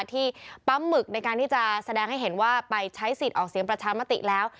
ที่ปั๊มหมึกในการที่จะแสดงให้เห็นว่าไปใช้สิทธิ์ออกเสียงประชามติแล้ว